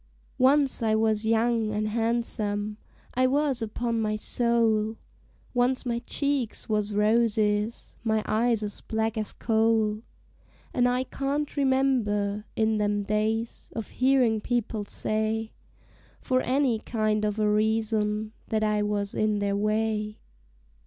Once I was young an' han'some I was, upon my soul Once my cheeks was roses, my eyes as black as coal; And I can't remember, in them days, of hearin' people say, For any kind of a reason, that I was in their way.